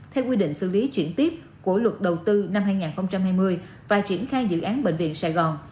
theo quy định xử lý chuyển tiếp của luật đầu tư năm hai nghìn hai mươi và triển khai dự án bệnh viện sài gòn